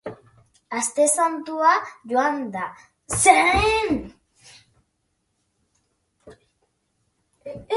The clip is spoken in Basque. Aste santua joan zen, bazko astea ere bai.